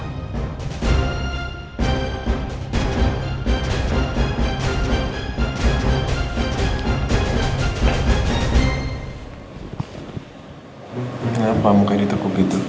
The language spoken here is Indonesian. kenapa muka ditukuk gitu